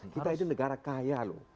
kita ini negara kaya loh